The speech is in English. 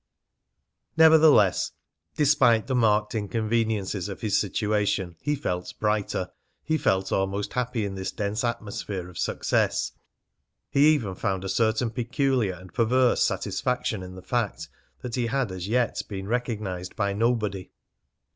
Nevertheless, despite the marked inconveniences of his situation, he felt brighter, he felt almost happy in this dense atmosphere of success. He even found a certain peculiar and perverse satisfaction in the fact that he had as yet been recognised by nobody.